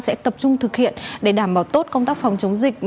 sẽ tập trung thực hiện để đảm bảo tốt công tác phòng chống dịch